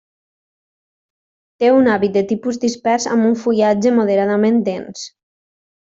Té un hàbit de tipus dispers amb un fullatge moderadament dens.